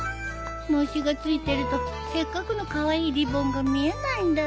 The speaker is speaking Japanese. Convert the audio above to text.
のしが付いてるとせっかくのカワイイリボンが見えないんだよなあ